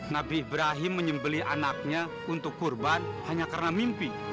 nabi ibrahim menyembeli anaknya untuk kurban hanya karena mimpi